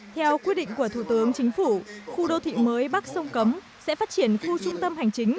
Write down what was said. theo quyết định của thủ tướng chính phủ khu đô thị mới bắc sông cấm sẽ phát triển khu trung tâm hành chính